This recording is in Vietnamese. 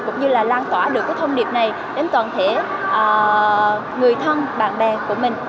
cũng như là lan tỏa được cái thông điệp này đến toàn thể người thân bạn bè của mình